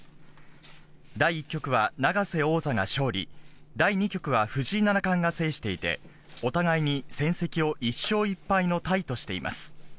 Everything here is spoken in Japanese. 第１局は永瀬王座が勝利、第２局は藤井七冠が制していて、お互いに戦績を１勝１敗のタイとしています。